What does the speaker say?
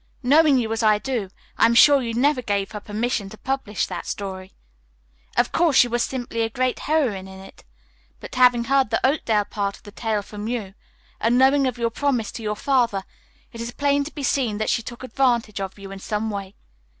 Knowing you as I do, I am sure you never gave her permission to publish that story. "Of course, you were simply a great heroine in it, but having heard the Oakdale part of the tale from you, and knowing of your promise to your father, it is plain to be seen that she took advantage of you in some way.